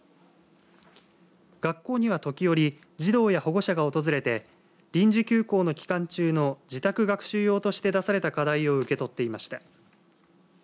学校には時折児童や保護者が訪れて臨時休校の期間中の自宅学習用として出された課題を受け取っていました。